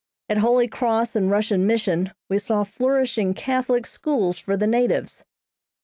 At Holy Cross and Russian Mission we saw flourishing Catholic schools for the natives.